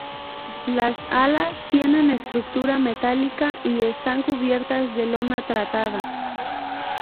Las alas tienen estructura metálica y están cubiertas de lona tratada.